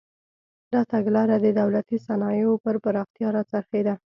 دا تګلاره د دولتي صنایعو پر پراختیا راڅرخېده.